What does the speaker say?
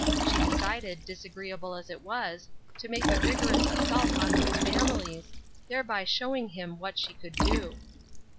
She decided, disagreeable as it was, to make a vigorous assault on those families, thereby showing him what she could do.